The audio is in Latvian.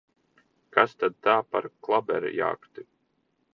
Kas tad tā par klaberjakti!